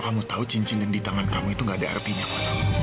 kamu turutin permintaan aku